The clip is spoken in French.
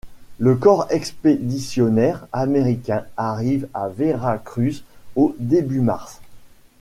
Le corps expéditionnaire américain arrive à Veracruz au début mars.